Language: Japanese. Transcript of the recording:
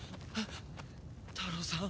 タロウさん？